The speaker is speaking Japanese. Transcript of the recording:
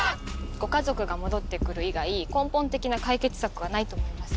ご家族が戻って来る以外根本的な解決策はないと思います。